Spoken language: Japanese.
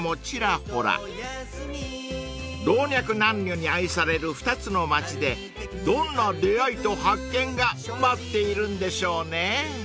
［老若男女に愛される２つの街でどんな出会いと発見が待っているんでしょうね？］